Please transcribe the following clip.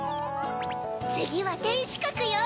つぎはてんしゅかくよ。